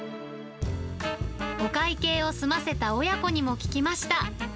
お会計を済ませた親子にも聞きました。